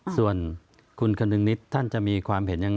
ส่วนคุณคนึงนิดท่านจะมีความเห็นยัง